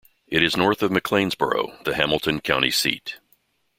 It is north of McLeansboro, the Hamilton County seat.